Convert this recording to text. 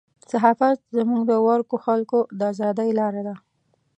صحافت زموږ د ورکو خلکو د ازادۍ لاره ده.